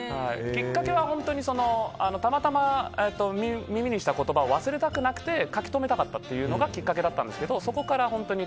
きっかけはたまたま耳にした言葉を忘れたくなくて書き留めたかったのがきっかけだったんですけど。